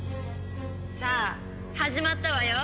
「さあ始まったわよ」